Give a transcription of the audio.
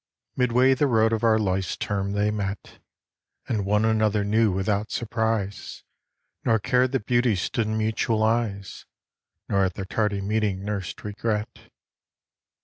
Midway the road of our life's term they met, And one another knew without surprise; Nor cared that beauty stood in mutual eyes; Nor at their tardy meeting nursed regret.